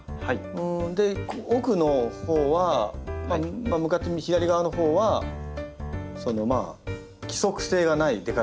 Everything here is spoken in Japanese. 奥のほうは向かって左側のほうはまあ規則性がない出方。